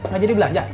gak jadi belanja